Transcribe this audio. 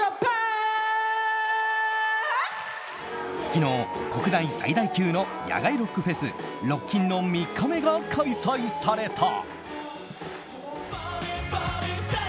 昨日国内最大級の野外ロックフェスロッキンの３日目が開催された。